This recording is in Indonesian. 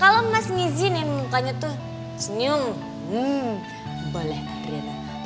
kalau mas nizi nih mukanya tuh senyum boleh priyata